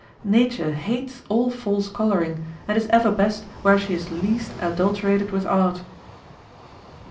Nature hates all false coloring and is ever best where she is least adulterated with art.